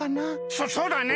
そそうだね！